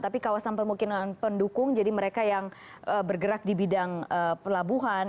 tapi kawasan permukiman pendukung jadi mereka yang bergerak di bidang pelabuhan